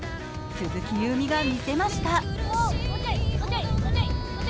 鈴木夕湖が見せました。